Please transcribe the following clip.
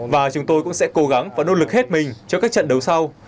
và chúng tôi cũng sẽ cố gắng và nỗ lực hết mình cho các trận đấu sau